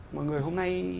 mọi người hôm nay